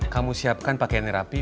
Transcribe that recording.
kamu siapkan pakaian yang rapi